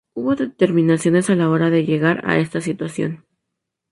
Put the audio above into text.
Hubo determinantes a la hora de llegar a esta situación.